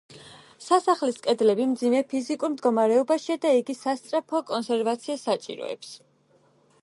სასახლის კედლები მძიმე ფიზიკურ მდგომარეობაშია და იგი სასწრაფო კონსერვაციას საჭიროებს.